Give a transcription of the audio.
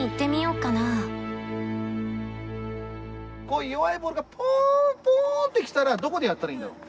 こういう弱いボールがポンポンって来たらどこでやったらいいんだろう？